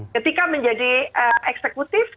ketika menjadi eksekutif